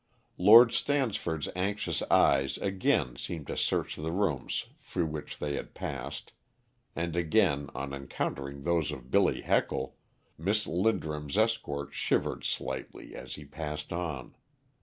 Lord Stansford's anxious eyes again seemed to search the rooms through which they passed, and again, on encountering those of Billy Heckle, Miss Linderham's escort shivered slightly as he passed on.